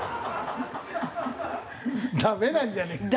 ダメなんじゃねえか。